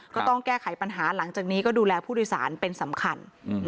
ก็ต้องแก้ไขปัญหาหลังจากนี้ก็ดูแลผู้โดยสารเป็นสำคัญ